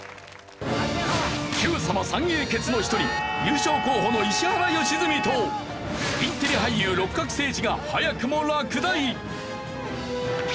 『Ｑさま！！』三英傑の一人優勝候補の石原良純とインテリ俳優六角精児が早くも落第。